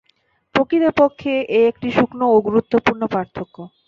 প্রকৃত পক্ষে এ একটি সূক্ষ্ম ও গুরুত্বপূর্ণ পার্থক্য।